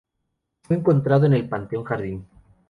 Fue enterrado en el Panteón Jardín.